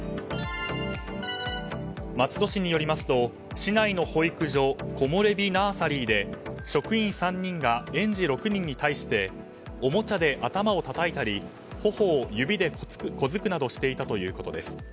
松戸市によりますと市内の保育所コモレビ・ナーサリーで職員３人が園児６人に対しておもちゃで頭をたたいたり頬を指で小突くなどしていたということです。